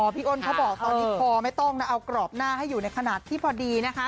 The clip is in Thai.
พี่อ้นเขาบอกตอนนี้คอไม่ต้องนะเอากรอบหน้าให้อยู่ในขณะที่พอดีนะคะ